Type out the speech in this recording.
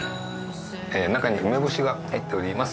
中に梅干しが入っております